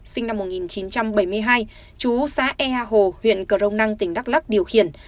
sinh năm một nghìn chín trăm bảy mươi hai chú xã ea hồ huyện cờ rông năng tỉnh đắk lắc điều khiển